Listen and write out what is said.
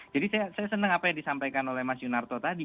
jadi saya senang apa yang disampaikan oleh mas yunarto tadi